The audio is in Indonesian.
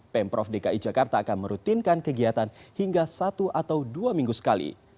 pemprov dki jakarta akan merutinkan kegiatan hingga satu atau dua minggu sekali